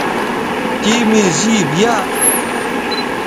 تِے می زِیب یاء